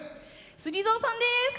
ＳＵＧＩＺＯさんです！